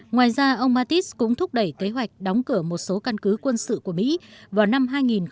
ngoài ra ông mattis cũng thúc đẩy kế hoạch đóng cửa một số căn cứ quân sự của mỹ vào năm hai nghìn hai mươi